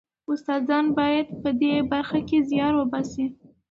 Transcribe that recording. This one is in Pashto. استادان باید په دې برخه کې زیار وباسي.